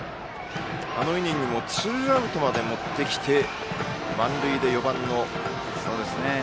あのイニングもツーアウトまで持ってきて満塁で４番を迎えました。